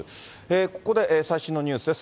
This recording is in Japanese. ここで最新のニュースです。